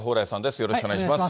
よろしくお願いします。